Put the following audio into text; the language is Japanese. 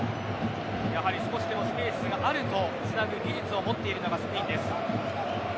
やはり少しでもスペースがあるとつなぐ技術を持っているのがスペインです。